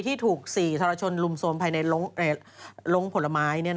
ที่ถูก๔ทรชนลุมโทรมภายในลงผลไม้